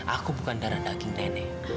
aku bukan darah daging nenek